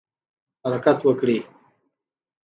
حرکت وکړئ